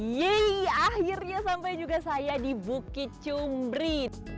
yeay akhirnya sampai juga saya di bukit cumbrid